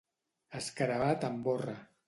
Escarabat en borra.